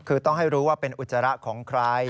คือต้องให้รู้ว่าเป็นอุจจาระของใคร